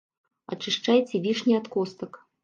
Ачышчайце вішні ад костак.